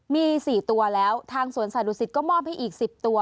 มี๔ตัวแล้วทางสวนสาดุสิตก็มอบให้อีก๑๐ตัว